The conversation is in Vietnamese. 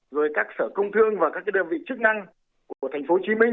rồi các sở công thương và các đơn vị chức năng của tp hcm